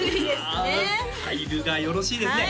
ああスタイルがよろしいですね